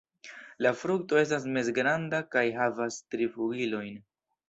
La frukto estas mezgranda kaj havas tri flugilojn.